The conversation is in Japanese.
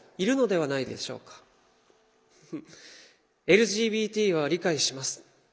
「ＬＧＢＴは理解します」。